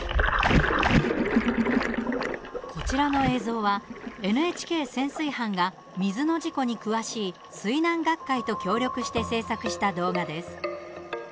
こちらの映像はＮＨＫ潜水班が水の事故に詳しい水難学会と協力して制作した動画です。